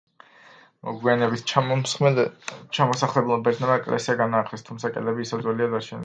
მოგვიანებით ჩამოსახლებულმა ბერძნებმა ეკლესია განაახლეს, თუმცა კედლები ისევ ძველია დარჩენილი.